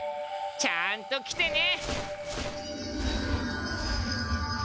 ちゃんと来てね。